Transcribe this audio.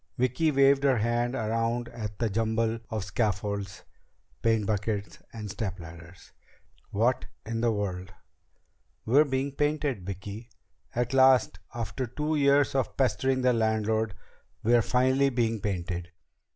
Vicki waved her hand around at the jumble of scaffolds, paint buckets, and stepladders. "What in the world ...?" "We're being painted, Vicki! At last, after two years of pestering the landlord, we're finally being painted!